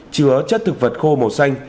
chứa chất thực vật khô màu xanh